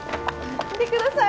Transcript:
見てください。